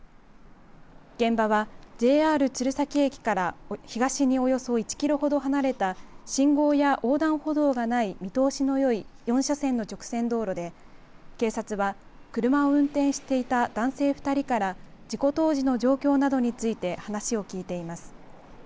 現場はＪＲ鶴崎駅から東におよそ１キロほど離れた信号や横断歩道がない見通しのよい４車線の直線道路で警察は、車を運転していた男性２人から事故当時の状況などについて話を聞いています。